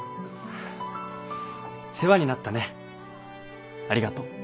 世話になったねありがとう。